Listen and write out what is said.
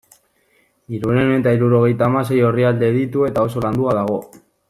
Hirurehun eta hirurogeita hamasei orrialde ditu eta oso landua dago.